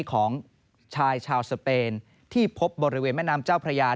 ของชายชาวสเปนที่พบบริเวณแม่น้ำเจ้าพระยา